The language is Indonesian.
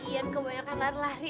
lagi kebanyakan lari lari